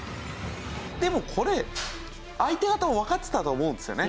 でもこれ相手方もわかってたと思うんですよね。